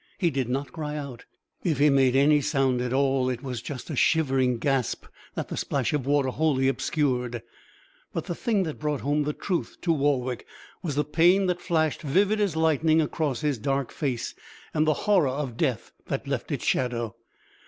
He did not cry out. If he made any sound at all, it was just a shivering gasp that the splash of water wholly obscured. But the thing that brought home the truth to Warwick was the pain that flashed, vivid as lightning, across his dark face; and the horror of death that left its shadow.